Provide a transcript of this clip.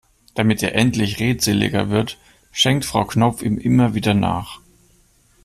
Damit er endlich redseliger wird, schenkt Frau Knopf ihm immer wieder nach.